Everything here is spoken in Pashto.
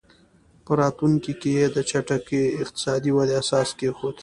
په راتلونکي کې یې د چټکې اقتصادي ودې اساس کېښود.